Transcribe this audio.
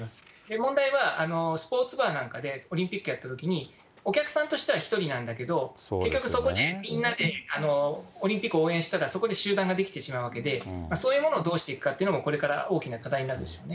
問題はスポーツバーなんかで、オリンピックやっているときに、お客さんとしては１人なんだけど、結局そこでみんなでオリンピック応援したら、そこで集団が出来てしまうわけで、そういうものをどうしていくかっていうのも、これから大きな課題になるでしょうね。